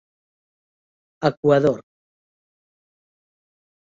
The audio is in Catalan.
Equador.